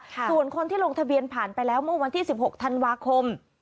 ส่วนคนที่ลงทะเบียนผ่านไปแล้วเมื่อวันที่๑๖ธันวาคม